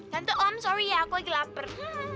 tentu om sorry ya aku lagi lapar